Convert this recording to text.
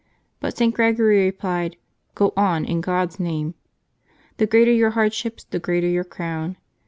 But St. Gregory replied, " Go on, in God's name ! The greater your hardships, the greater your crown.